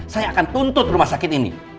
saya akan tuntut rumah sakit ini